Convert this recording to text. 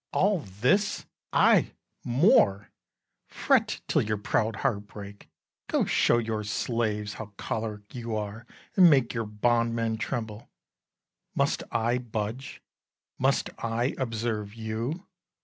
Bru. All this! ay, more: fret till your proud heart break; Go show your slaves how choleric you are, And make your bondmen tremble. Must I budge? Must I observe you?